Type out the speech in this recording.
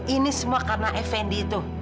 ini semua karena effendi itu